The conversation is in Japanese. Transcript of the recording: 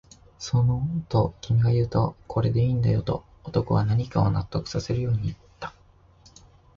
その、と君が言うと、これでいいんだよ、と男は何かを納得させるように言った